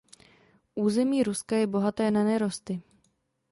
Území Ruska je bohaté na nerosty.